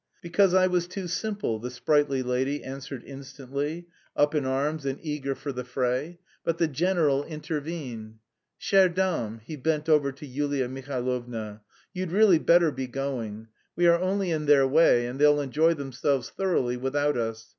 "Because I was too simple," the sprightly lady answered instantly, up in arms and eager for the fray; but the general intervened. "Chère dame" he bent over to Yulia Mihailovna "you'd really better be going. We are only in their way and they'll enjoy themselves thoroughly without us.